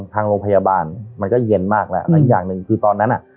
ทางโรงพยาบาลมันก็เย็นมากแล้วและอีกอย่างหนึ่งคือตอนนั้นอ่ะ